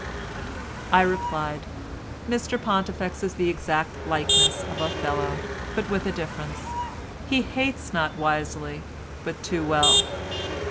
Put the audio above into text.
I replied, "Mr Pontifex is the exact likeness of Othello, but with a difference—he hates not wisely but too well.